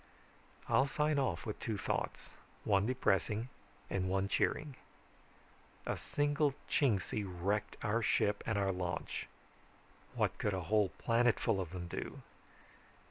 "I'll sign off with two thoughts, one depressing and one cheering. A single Chingsi wrecked our ship and our launch. What could a whole planetful of them do?